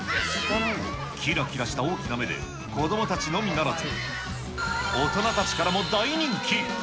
きらきらした大きな目で子どもたちのみならず、大人たちからも大人気。